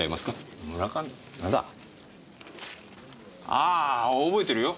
ああ覚えてるよ。